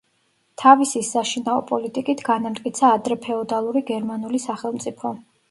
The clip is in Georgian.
თავისის საშინაო პოლიტიკით განამტკიცა ადრეფეოდალური გერმანული სახელმწიფო.